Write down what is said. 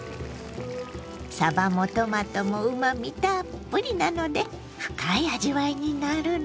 さばもトマトもうまみたっぷりなので深い味わいになるの。